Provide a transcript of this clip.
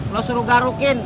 lu suruh garukin